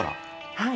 はい。